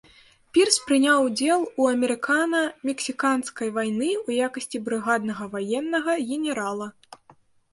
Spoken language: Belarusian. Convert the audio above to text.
Пірс прыняў удзел у амерыкана-мексіканскай вайны ў якасці брыгаднага ваеннага генерала.